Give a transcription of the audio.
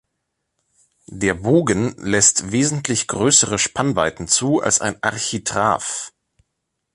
Der Bogen lässt wesentlich größere Spannweiten zu als ein Architrav.